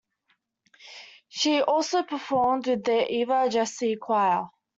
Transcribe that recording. She also performed with the Eva Jessye Choir.